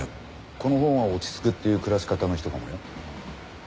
このほうが落ち着くっていう暮らし方の人かもよ。